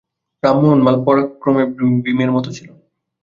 রামমোহন মাল পরাক্রমে ভীমের মত ছিল।